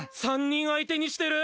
３人相手にしてる！